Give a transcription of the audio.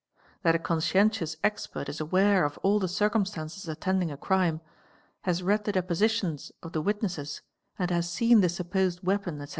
That a conscientious expert is aware of all the circumstances attending a crime, has read the depositions of the witnesses, and has seen the supposed weapon, etc.